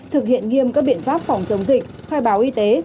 thực hiện nghiêm các biện pháp phòng chống dịch khai báo y tế